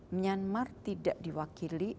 myanmar tidak diwakili